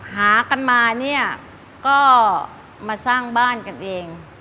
หากันมาเนี่ยก็มาสร้างบ้านกันเอง